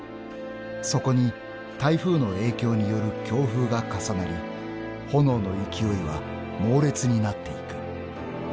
［そこに台風の影響による強風が重なり炎の勢いは猛烈になっていく］